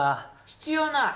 必要ない。